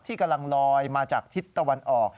กำลังลอยมาจากทิศตะวันออก